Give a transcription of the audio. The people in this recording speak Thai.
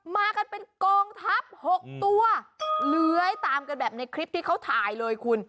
มากันเป็นกองทัพ๖ตัวเลื้อยตามกันแบบในคลิปที่เขาถ่ายเลยคุณ